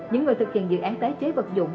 những người thực hiện dự án tái chế vật dụng